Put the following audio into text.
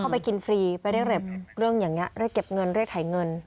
ไปกินฟรีไปเรียกเร็บเรื่องอย่างนี้เรียกเก็บเงินเรียกไถเงิน